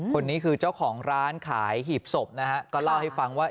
คนนี้คือเจ้าของร้านขายหีบศพนะฮะก็เล่าให้ฟังว่า